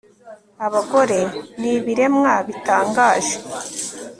abagore ni ibiremwa bitangaje